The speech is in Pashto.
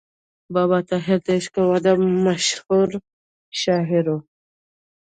بابا طاهر د عشق او ادب مشهور شاعر و.